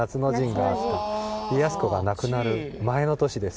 家康公が亡くなる前の年です。